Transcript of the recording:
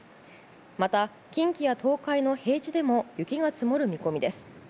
また近畿や東海の平地でも雪が積もる見込みです。